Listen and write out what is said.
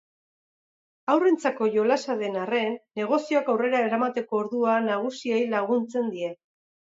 Haurrentzako jolasa den arren negozioak aurrera eramateko orduan nagusiei laguntzen die.